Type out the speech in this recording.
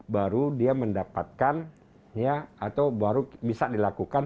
baru dia mendapatkan ya atau baru bisa dilakukan